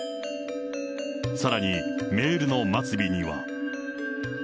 さらに、メールの末尾には。